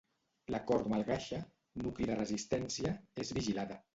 La cort malgaixa, nucli de resistència, és vigilada.